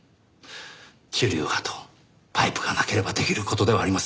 主流派とパイプがなければできることではありません。